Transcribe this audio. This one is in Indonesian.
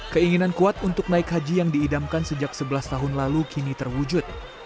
keinginan kuat untuk naik haji yang diidamkan sejak sebelas tahun lalu kini terwujud